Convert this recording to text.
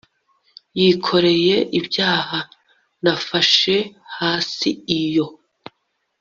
yikoreye ibyaha, nafashe hasi iyo